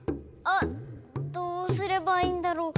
あどうすればいいんだろう？